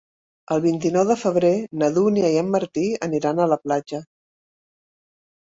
El vint-i-nou de febrer na Dúnia i en Martí aniran a la platja.